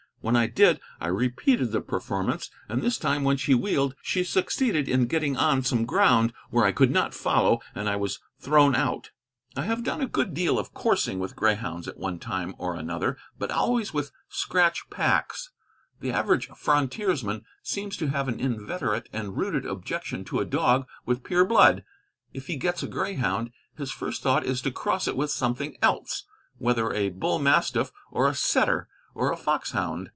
When I did I repeated the performance, and this time when she wheeled she succeeded in getting on some ground where I could not follow, and I was thrown out. I have done a good deal of coursing with greyhounds at one time or another, but always with scratch packs. The average frontiersman seems to have an inveterate and rooted objection to a dog with pure blood. If he gets a greyhound, his first thought is to cross it with something else, whether a bull mastiff, or a setter, or a foxhound.